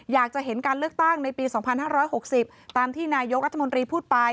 อยากจะเห็นการเลือกตั้งในปี๒๕๖๐ตามที่นายกรัฐมนตรีพูดไป